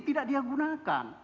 tidak dia gunakan